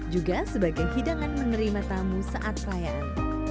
juga sebagai hidangan menerima tamu saat perayaan